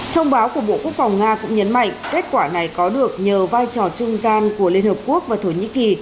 thông báo của bộ quốc phòng nga cũng nhấn mạnh kết quả này có được nhờ vai trò trung gian của liên hợp quốc và thổ nhĩ kỳ